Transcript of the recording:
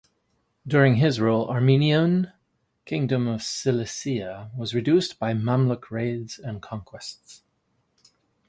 During his rule, Armenian Kingdom of Cilicia was reduced by Mamluk raids and conquests.